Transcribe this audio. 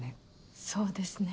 そうですね。